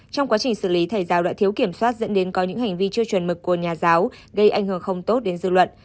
trong quá trình xử lý thầy giáo đã thiếu kiểm soát dẫn đến có những hành vi chưa chuẩn mực của nhà giáo gây ảnh hưởng không tốt đến dư luận